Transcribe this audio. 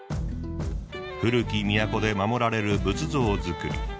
古き都で守られる仏像作り。